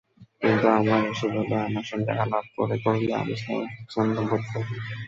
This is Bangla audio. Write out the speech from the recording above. কিন্তু আমার ইস্যুগুলো আমার সঙ্গে আলাপ করে করলে আমি স্বচ্ছন্দ বোধ করব।